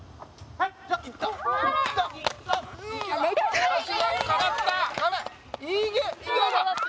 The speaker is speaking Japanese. はい！